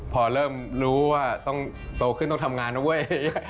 พอเริ่มรู้ว่าต้องโตขึ้นต้องทำงานนะเว้ย